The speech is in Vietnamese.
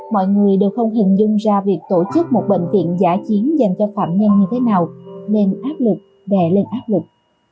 mọi người đều không hình dung ra việc tổ chức một bệnh viện giả chiến dành cho phạm nhân như thế nào nên áp lực đè lên áp lực